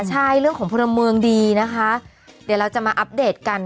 ใช่เรื่องของพลเมืองดีนะคะเดี๋ยวเราจะมาอัปเดตกัน